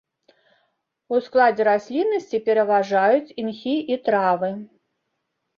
У складзе расліннасці пераважаюць імхі і травы.